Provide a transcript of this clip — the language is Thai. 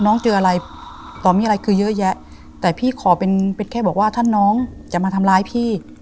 เจออะไรต่อมีอะไรคือเยอะแยะแต่พี่ขอเป็นเป็นแค่บอกว่าถ้าน้องจะมาทำร้ายพี่